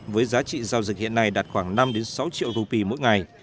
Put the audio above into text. với giá trị giao dịch hiện nay đạt khoảng năm sáu triệu rupee mỗi ngày